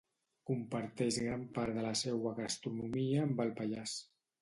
Comparteix gran part de la seua gastronomia amb el Pallars.